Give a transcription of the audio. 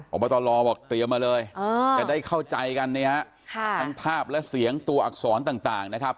อบตลบอกเตรียมมาเลยจะได้เข้าใจกันเนี่ยฮะทั้งภาพและเสียงตัวอักษรต่างนะครับ